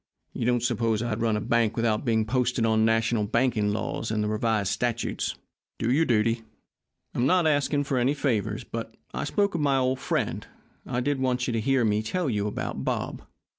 "You don't suppose I'd run a bank without being posted on national banking laws and the revised statutes! Do your duty. I'm not asking any favours. But, I spoke of my friend. I did want you to hear me tell you about Bob."